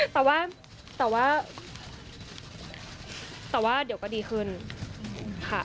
แต่ว่าเดี๋ยวก็ดีขึ้นค่ะ